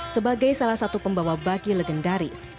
sebagai salah satu pembawa baki legendaris